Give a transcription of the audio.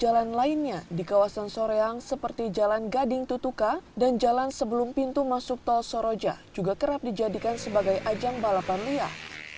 jalan lainnya di kawasan soreang seperti jalan gading tutuka dan jalan sebelum pintu masuk tol soroja juga kerap dijadikan sebagai ajang balapan liar